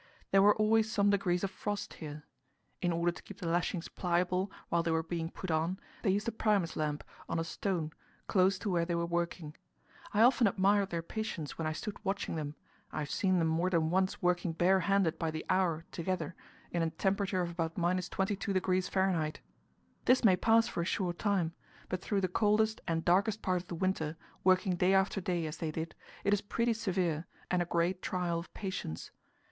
There were always some degrees of frost here. In order to keep the lashings pliable while they were being put on, they used a Primus lamp on a stone close to where they were working. I often admired their patience when I stood watching them; I have seen them more than once working barehanded by the hour together in a temperature of about 22°F. This may pass for a short time; but through the coldest and darkest part of the winter, working day after day, as they did, it is pretty severe, and a great trial of patience.